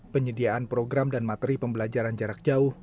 penyediaan program dan materi pembelajaran jarak jauh